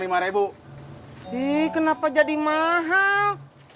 ih kenapa jadi mahal